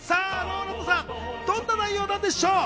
ＲＯＬＡＮＤさん、どんな内容なんでしょう？